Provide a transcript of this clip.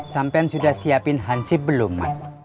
sampean sudah siapin hansip belum